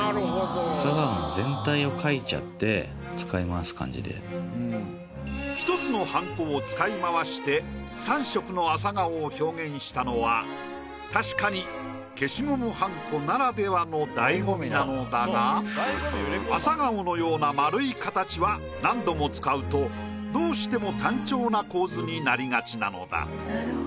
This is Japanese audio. なんですけども１つのはんこを使い回して３色の朝顔を表現したのは確かに消しゴムはんこならではの醍醐味なのだが朝顔のような丸い形は何度も使うとどうしても単調な構図になりがちなのだ。